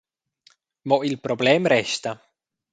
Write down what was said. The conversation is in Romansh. Mo il problem resta.